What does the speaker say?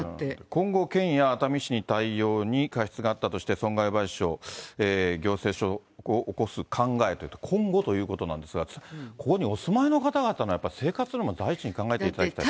今後、県や熱海市の対応に過失があったとして損害賠償、行政訴訟を起こす考え、今後ということなんですが、ここにお住いの方々のやっぱり生活のほうも第一に考えてもらいたい。